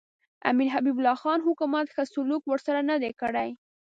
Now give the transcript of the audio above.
امیر حبیب الله خان حکومت ښه سلوک ورسره نه دی کړی.